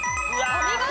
お見事。